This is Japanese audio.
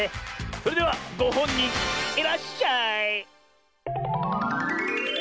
それではごほんにんいらっしゃい。